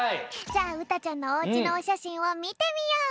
じゃあうたちゃんのおうちのおしゃしんをみてみよう！